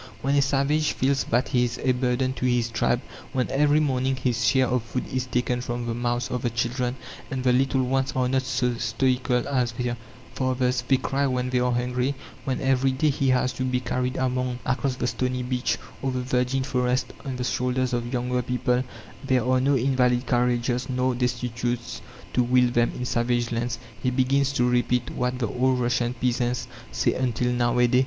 When a "savage" feels that he is a burden to his tribe; when every morning his share of food is taken from the mouths of the children and the little ones are not so stoical as their fathers: they cry when they are hungry; when every day he has to be carried across the stony beach, or the virgin forest, on the shoulders of younger people there are no invalid carriages, nor destitutes to wheel them in savage lands he begins to repeat what the old Russian peasants say until now a day.